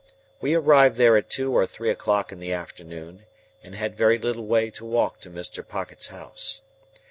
We arrived there at two or three o'clock in the afternoon, and had very little way to walk to Mr. Pocket's house.